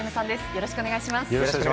よろしくお願いします。